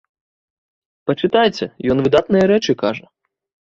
Пачытайце, ён выдатныя рэчы кажа.